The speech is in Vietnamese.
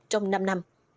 trong năm năm